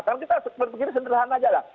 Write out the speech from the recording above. karena kita berpikir sederhana aja lah